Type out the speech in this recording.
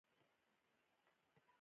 هره لوحه د یوې کیسې استازیتوب کاوه.